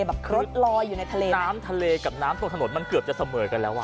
แบบครดลอยอยู่ในทะเลน้ำทะเลกับน้ำตรงถนนมันเกือบจะเสมอกันแล้วอ่ะ